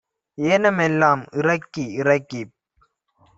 ஏன மெல்லாம் இறக்கி இறக்கிப்